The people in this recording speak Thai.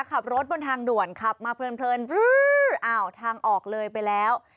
ขับรถบนทางด่วนขับมาเพลินอ้าวทางออกเลยไปแล้ว